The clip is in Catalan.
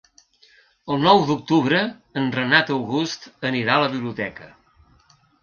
El nou d'octubre en Renat August anirà a la biblioteca.